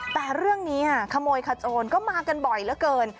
แต่เรื่องนี้ขโมยขโจรก็มากันบ่อยเหลือเกิน